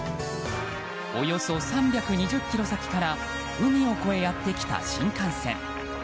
およそ３２０ｋｍ先から海を越えやってきた新幹線。